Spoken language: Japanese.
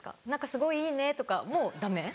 「すごいいいね」とかもダメ？